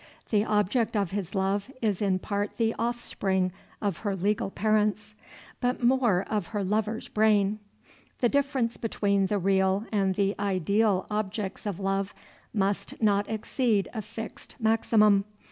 The object of his love is in part the offspring of her legal parents, but more of her lover's brain. The difference between the real and the ideal objects of love must not exceed a fixed maximum.